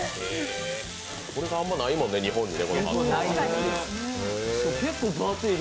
これがあんまりないもんね、日本にね。